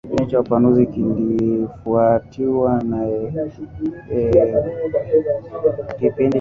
Kipindi cha upanuzi kilifuatiwa na Emutai